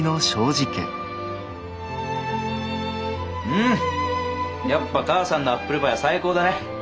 うんやっぱ母さんのアップルパイは最高だね。